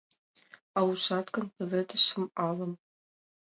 А ужат гын пеледышым алым